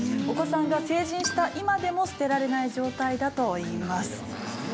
お子さんが成人した今でも捨てられない状態だといいます。